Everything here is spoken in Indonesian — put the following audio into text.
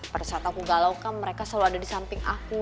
pada saat aku galaukan mereka selalu ada di samping aku